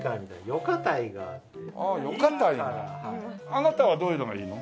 あなたはどういうのがいいの？